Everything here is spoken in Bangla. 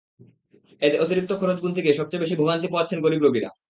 এতে অতিরিক্ত খরচ গুনতে গিয়ে সবচেয়ে বেশি ভোগান্তি পোহাচ্ছেন গরিব রোগীরা।